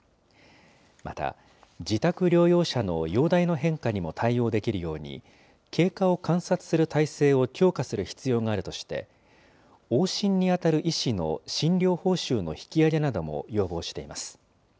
また、自宅療養者の容体の変化にも対応できるように、経過を観察する体制を強化する必要があるとして、往診に当たる医師の診療報酬の引き上げなども要望しています。